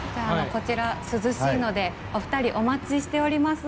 こちら涼しいのでお二人お待ちしています。